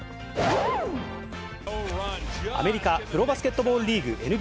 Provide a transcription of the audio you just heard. アメリカプロバスケットボールリーグ・ＮＢＡ。